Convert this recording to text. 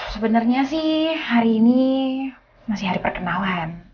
sebenarnya sih hari ini masih hari perkenalan